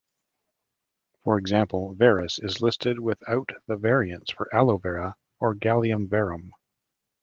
For example, "verus" is listed without the variants for "Aloe vera" or "Galium verum".